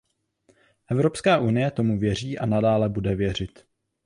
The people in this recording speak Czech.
Evropská unie tomu věří a nadále bude věřit.